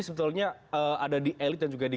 sebetulnya ada di elit dan juga di